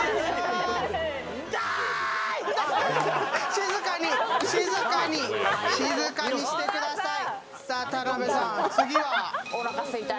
静かに、静かに、静かにしてください。